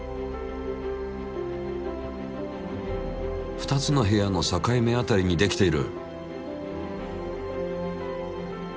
２つの部屋の境目辺りにできている。